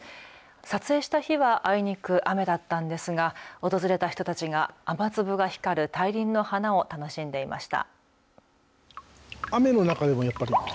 撮影した日はあいにく雨だったんですが訪れた人たちが雨粒が光る大輪の花を楽しんでいました。